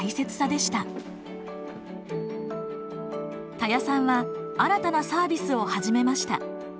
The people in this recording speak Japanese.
田谷さんは新たなサービスを始めました。